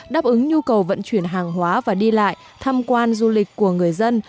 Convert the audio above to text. đáp ứng nhu cầu vận chuyển hàng hóa và đi lại tham quan du lịch của người dân